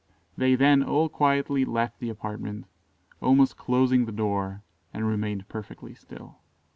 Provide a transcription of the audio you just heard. They then all quietly left the apartment, almost closing the door, and remained perfectly still.